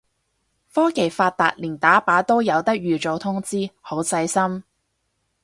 科技發達連打靶都有得預早通知，好細心